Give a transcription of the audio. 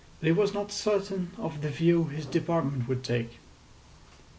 But he was not certain of the view his department would take.